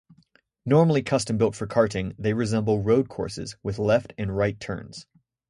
Normally custom-built for karting, they resemble road courses, with left and right turns.